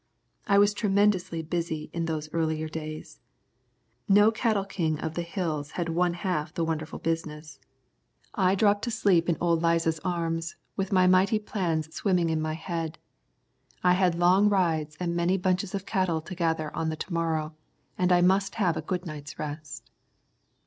I was tremendously busy in those earlier days. No cattle king of the Hills had one half the wonderful business. I dropped to sleep in old Liza's arms with my mighty plans swimming in my head. I had long rides and many bunches of cattle to gather on to morrow, and I must have a good night's rest.